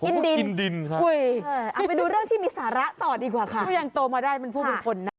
กินดินกินดินค่ะเอาไปดูเรื่องที่มีสาระต่อดีกว่าค่ะผู้ยังโตมาได้เป็นผู้เป็นคนนะ